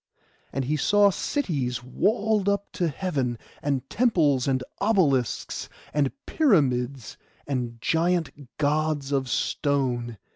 And he saw cities walled up to heaven, and temples, and obelisks, and pyramids, and giant Gods of stone.